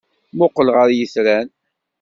Mmuqqel ɣer yitran.